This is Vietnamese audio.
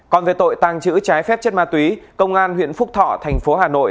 còn về tội tàng trữ trái phép chất ma túy công an huyện phúc thọ tp hà nội